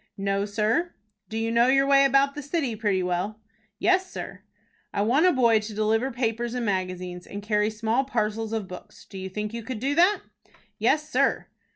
"No, sir." "Do you know your way about the city pretty well?" "Yes, sir." "I want a boy to deliver papers and magazines, and carry small parcels of books. Do you think you could do that?" "Yes, sir."